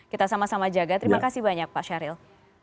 kita sama sama jaga terima kasih banyak pak syahril